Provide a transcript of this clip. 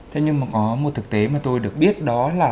thế nhưng mà có một thực tế mà tôi được biết đó là